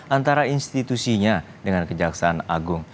antara institusinya dengan kejaksaan agung